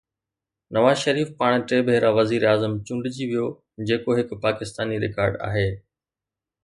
نواز شريف پاڻ ٽي ڀيرا وزيراعظم چونڊجي ويو، جيڪو هڪ پاڪستاني رڪارڊ آهي.